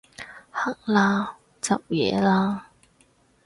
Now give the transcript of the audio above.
行啦，執嘢啦